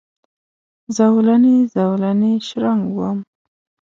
زولنې، زولنې شرنګ وم